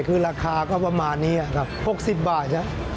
คือราคาก็ประมาณนี้ครับ๖๐บาทแล้ว